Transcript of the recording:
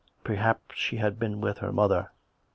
Perhaps she had been with her mother.